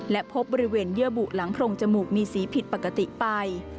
และพบบริเวณเยื่อบุหลังโพรงจมูกมีสีผิดปกติไป